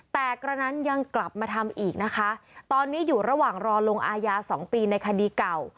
แต่กระนั้นยังกลับมาทำอีกนะคะตอนนี้อยู่ระหว่างรอลงอายา๒ปีในคดีเก่า